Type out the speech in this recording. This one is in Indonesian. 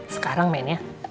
sekarang main ya